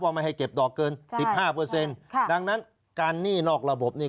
ไม่ให้เก็บดอกเกินสิบห้าเปอร์เซ็นต์ค่ะดังนั้นการหนี้นอกระบบนี่